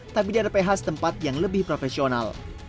tapi diarepehas tempat yang lebih profesional